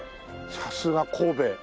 さすが神戸。